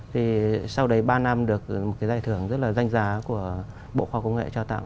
thì sau đấy ba năm được một cái giải thưởng rất là danh giá của bộ khoa công nghệ trao tạo